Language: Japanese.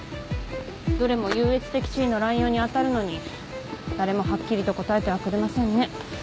どれも優越的地位の濫用に当たるのに誰もはっきりと答えてはくれませんね。